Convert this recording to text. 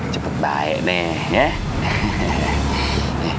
cepet baik nih ya